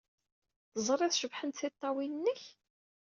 Teẓrid cebḥent tiṭṭawin-nnek?